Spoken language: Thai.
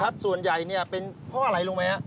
ครับส่วนใหญ่นี่เป็นเพราะอะไรรู้ไหมครับ